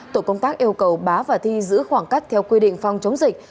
tổ công tác yêu cầu bá và thi giữ khoảng cách theo quy định phòng chống dịch